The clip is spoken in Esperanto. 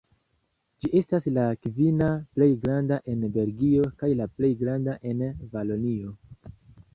Ĝi estas la kvina plej granda en Belgio kaj la plej granda en Valonio.